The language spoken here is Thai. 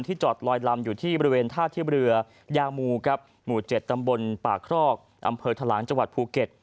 จอดลอยลำอยู่ที่บริเวณท่าเทียบเรือยามูครับหมู่๗ตำบลป่าครอกอำเภอทะลางจังหวัดภูเก็ต